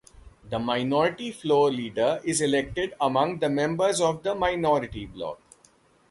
The minority floor leader is elected among the members of the minority bloc.